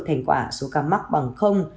thành quả số ca mắc bằng